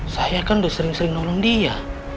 saya kan udah sering sering nolong dia